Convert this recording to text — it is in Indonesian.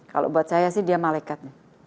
kalau buat saya sih dia malaikat